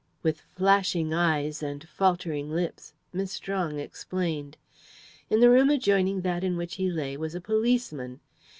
With flashing eyes and faltering lips Miss Strong explained. In the room adjoining that in which he lay was a policeman.